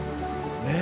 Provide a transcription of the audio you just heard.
ねえ？